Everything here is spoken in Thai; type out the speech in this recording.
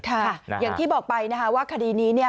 อย่างที่บอกไปนะคะว่าคดีนี้เนี่ย